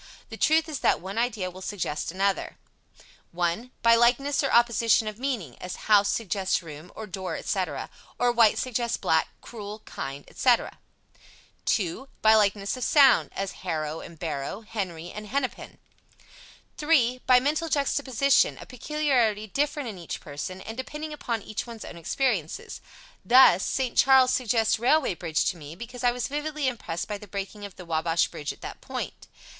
The truth is that one idea will suggest another: 1. By likeness or opposition of meaning, as "house" suggests "room" or "door," etc.; or, "white" suggests "black"; "cruel," "kind," etc. 2. By likeness of sound, as "harrow" and "barrow"; "Henry" and "Hennepin." 3. By mental juxtaposition, a peculiarity different in each person, and depending upon each one's own experiences. Thus, "St. Charles" suggests "railway bridge" to me, because I was vividly impressed by the breaking of the Wabash bridge at that point.